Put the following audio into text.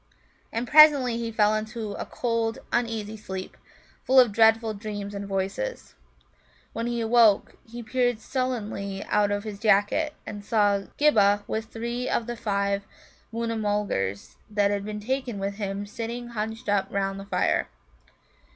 And presently he fell into a cold, uneasy sleep, full of dreadful dreams and voices. When he awoke, he peered sullenly out of his jacket, and saw Ghibba with three of the five Moona mulgars that he had taken with him sitting hunched up round the fire.